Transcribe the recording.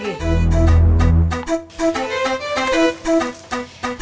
saya beresnya ya pak